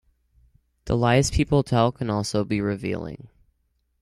The lies people tell can also be revealing.